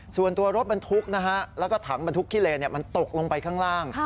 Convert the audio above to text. ส่วนตัวรถบรรทุกและถังบรรทุกคิเลนมันตกลงไปข้างล่าง